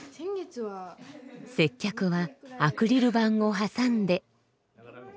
接客はアクリル板を挟んで。